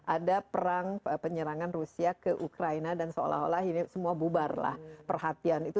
ada perang penyerangan rusia ke ukraina dan seolah olah ini semua bubarlah perhatian itu